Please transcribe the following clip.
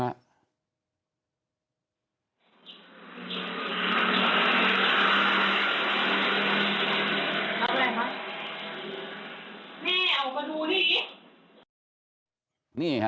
เอามาดูดีอย่า